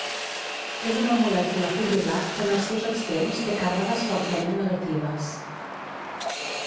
És una molècula fibril·lar que en els seus extrems té càrregues fortament negatives.